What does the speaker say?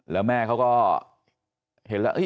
แล้วแม่เขาก็เห็นแล้ว